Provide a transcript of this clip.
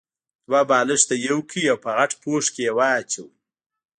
دوه بالښته يو کړئ او په غټ پوښ کې يې واچوئ.